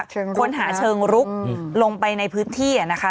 เชิงลุกนะคนหาเชิงลุกอืมลงไปในพื้นที่อ่ะนะคะ